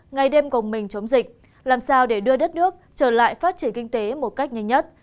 ngày đêm gồng mình chống dịch làm sao để đưa đất nước trở lại phát triển kinh tế một cách nhanh nhất